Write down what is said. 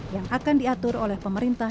yang akan diatur oleh pemerintah